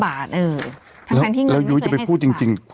บาทเออทางการที่เงินไม่ก็จะไปพูดจริงจริง